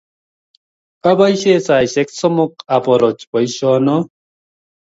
Apoisye saisyek somok aporoch poisyono